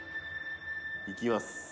「いきます」